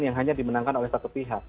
yang hanya dimenangkan oleh satu pihak